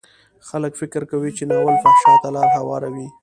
خلک فکر کوي چې ناول فحشا ته لار هواروي.